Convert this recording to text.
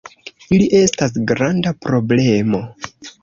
Ili estas granda problemo.